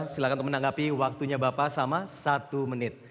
silahkan untuk menanggapi waktunya bapak sama satu menit